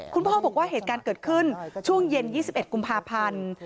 คุณพ่อบอกว่าเหตุการณ์เกิดขึ้นช่วงเย็น๒๑กุมภาพันธ์